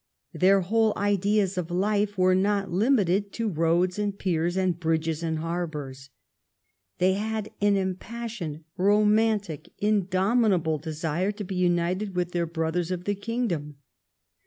Their whole ideas of life were not limited to roads and piers and bridges and harbors. They had an impassioned, romantic, indomitable desire to be united with their brothers of the Kingdom.